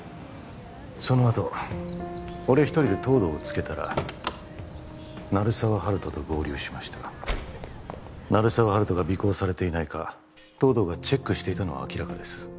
そのあと俺一人で東堂をつけたら鳴沢温人と合流しました鳴沢温人が尾行されていないか東堂がチェックしていたのは明らかです